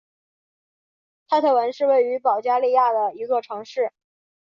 泰特文是位于保加利亚的一座城市。